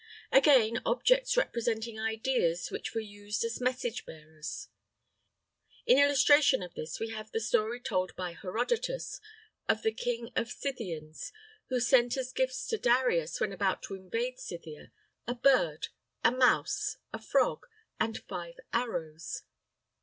Again, objects representing ideas which were used as message bearers. In illustration of this we have the story told by Herodotus of the King of the Scythians who sent as gifts to Darius when about to invade Scythia, a bird, a mouse, a frog and five arrows.